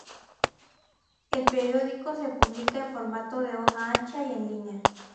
El periódico se publica en formato de hoja ancha y en línea.